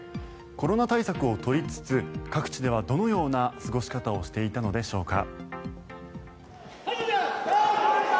コロナ対策を取りつつ各地ではどのような過ごし方をしていたのでしょうか。